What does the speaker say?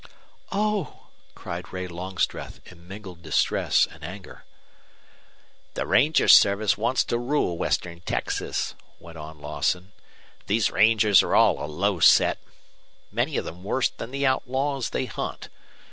"Oh!" cried Ray Longstreth, in mingled distress and anger. "The ranger service wants to rule western Texas," went on Lawson. "These rangers are all a low set, many of them worse than the outlaws they hunt.